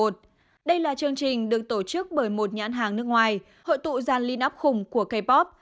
đây là chương trình được tổ chức bởi một nhãn hàng nước ngoài hội tụ gian ly nắp khủng của kpop